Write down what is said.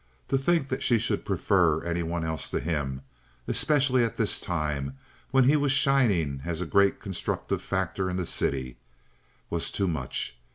To think that she should prefer any one else to him, especially at this time when he was shining as a great constructive factor in the city, was too much.